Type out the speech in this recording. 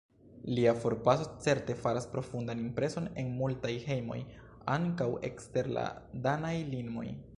Lia forpaso certe faras profundan impreson en multaj hejmoj, ankaŭ ekster la danaj limoj.